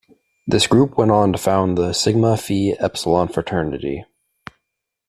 This group went on to found the Sigma Phi Epsilon fraternity.